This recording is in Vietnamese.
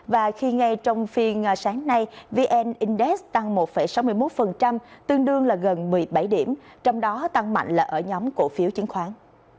và khi ngay trong phiên sáng nay vn index tăng một sáu mươi một tương đương là gần một mươi bảy điểm trong đó tăng mạnh là ở nhóm cổ phiếu chiến khoán